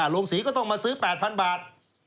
โรงศรีก็ต้องมาซื้อ๘๐๐๐บาท